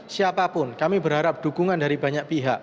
siapapun kami berharap dukungan dari banyak pihak